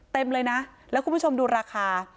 เต็มเลยนะแล้วคุณผู้ชมดูราคา